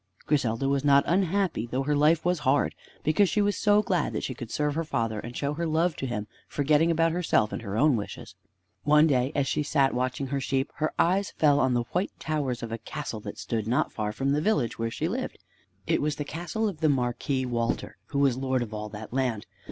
Griselda was not unhappy though her life was hard, because she was so glad that she could serve her father and show her love to him, forgetting about herself and her own wishes. One day as she sat watching her sheep her eyes fell on the white towers of a castle that stood not far from the village where she lived. It was the castle of the Marquis Walter, who was lord of all that land.